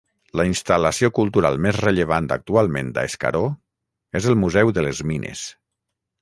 La instal·lació cultural més rellevant actualment a Escaró és el Museu de les Mines.